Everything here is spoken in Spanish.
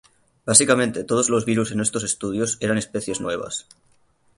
Básicamente todos los virus en estos estudios eran especies nuevas.